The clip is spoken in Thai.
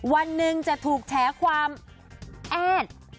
วันหนึ่งจะถูกแฉความแอด